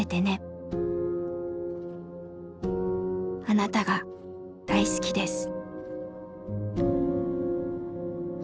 「あなたが大好きです」。